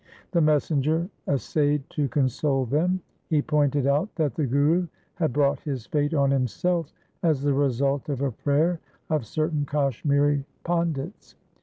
The messenger essayed to console them. He pointed out that the Guru had brought his fate on himself as the result of a prayer of certain Kashmiri pandits.